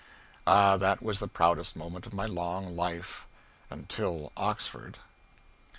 Ah, that was the proudest moment of my long life until Oxford!